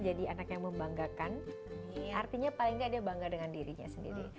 jadi anak yang membanggakan artinya paling enggak dia bangga dengan dirinya sendiri